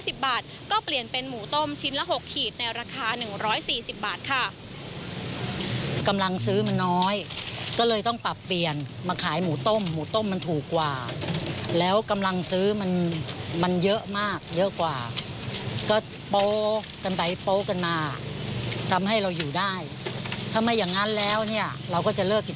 สิบบาทก็เปลี่ยนเป็นหมูต้มชิ้นละหกขีดในราคาหนึ่งร้อยสี่สิบบาท